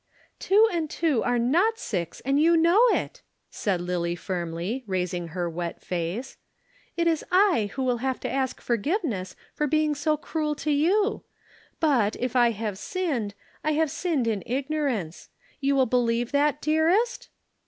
"Two and two are not six and you know it," said Lillie firmly, raising her wet face. "It is I who have to ask forgiveness for being so cruel to you. But if I have sinned, I have sinned in ignorance. You will believe that, dearest?"